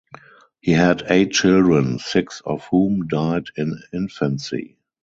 He had eight children, six of whom died in infancy.